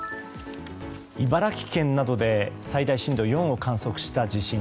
茨城県などで最大震度４を観測した地震。